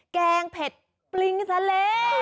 แกงเผ็ดปริงทะเล